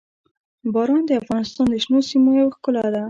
باران د افغانستان د شنو سیمو یوه ښکلا ده.